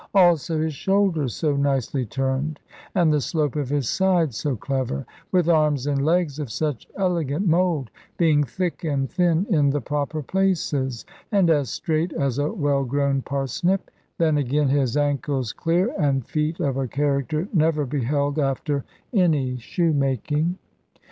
Also his shoulders so nicely turned, and the slope of his sides so clever, with arms and legs of such elegant mould, being thick and thin in the proper places, and as straight as a well grown parsnip; then, again, his ankles clear, and feet of a character never beheld after any shoemaking.